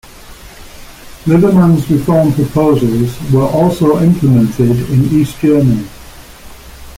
Liberman's reform proposals were also implemented in East Germany.